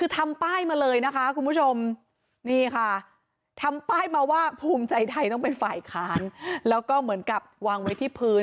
ที่ไทยต้องเป็นฝ่ายค้านและเหมือนกับวางไว้ที่พื้น